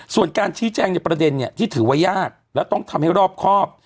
ส่วนการชี้แจงในประเด็นที่ถือว่ายากและต้องทำให้รอบครอบ